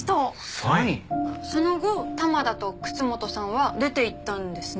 その後玉田と楠本さんは出ていったんですね？